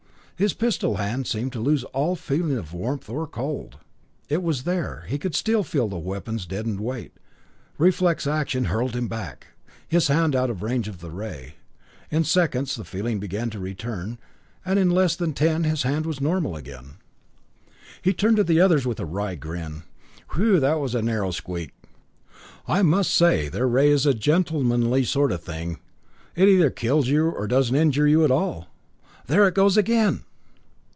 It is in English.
His pistol hand seemed to lose all feeling of warmth or cold. It was there; he could still feel the weapon's deadened weight. Reflex action hurled him back, his hand out of range of the ray. In seconds feeling began to return, and in less than ten his hand was normal again. He turned to the others with a wry grin. "Whew that was a narrow squeak! I must say their ray is a gentlemenly sort of thing. It either kills you, or doesn't injure you at all. There it goes again!"